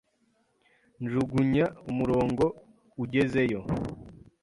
Njugunya umurongo ugezeyo